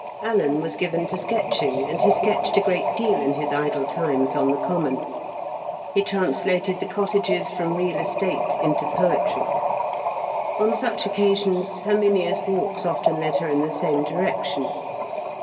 Alan was given to sketching, and he sketched a great deal in his idle times on the common. He translated the cottages from real estate into poetry. On such occasions, Herminia's walks often led her in the same direction.